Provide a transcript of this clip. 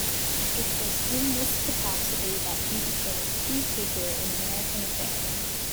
It was in this capacity that he became a key figure in American affairs.